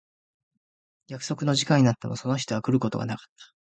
約束の時間になってもその人は来ることがなかった。